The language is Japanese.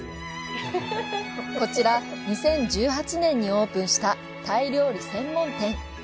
こちら２０１８年にオープンしたタイ料理専門店。